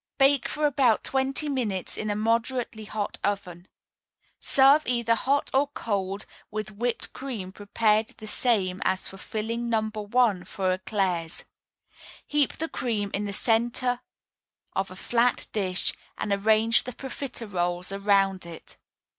Bake for about twenty minutes in a moderately hot oven. Serve either hot or cold, with whipped cream prepared the same as for Filling No. 1 for éclairs. Heap the cream in the center of a flat dish, and arrange the profiteroles around it.